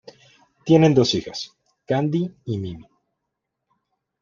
Tienen dos hijas, Candy y Mimi.